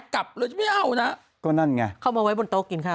กรมประชาสัมพันธ์ก่อนนะ